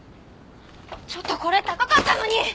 ちょっとこれ高かったのに！